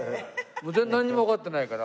なんにもわかってないから。